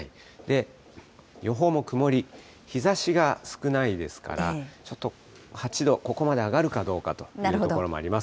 予報も曇り、日ざしが少ないですから、ちょっと８度、ここまで上がるかどうかという所もあります。